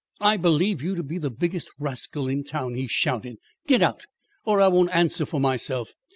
"I believe you to be the biggest rascal in town," he shouted. "Get out, or I won't answer for myself.